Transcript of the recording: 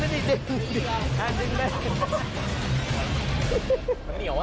ไสมัยนี่มันจะช้าไม่ได้เลยเพราะช้าเสียทั้งที